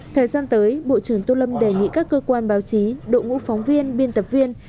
thời gian tới bộ trưởng tô lâm đề nghị các cơ quan báo chí đội ngũ phóng viên biên tập viên